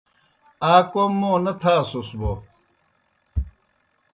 آ کوْم موں نہ تھاسُس بوْ